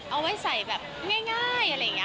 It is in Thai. เอาไว้ใส่แบบง่าย